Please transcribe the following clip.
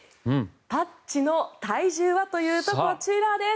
パッチの体重はというとこちらです！